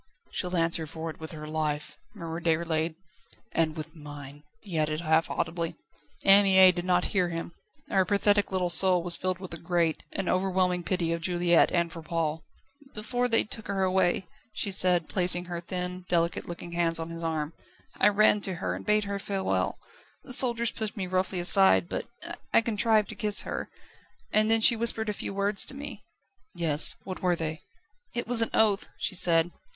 "She'll answer for it with her life," murmured Déroulède. "And with mine!" he added half audibly. Anne Mie did not hear him; her pathetic little soul was filled with a great, an overwhelming pity of Juliette and for Paul. "Before they took her away," she said, placing her thin, delicate looking hands on his arm. "I ran to her, and bade her farewell. The soldiers pushed me roughly aside; but I contrived to kiss her and then she whispered a few words to me." "Yes? What were they?" "'It was an oath,' she said.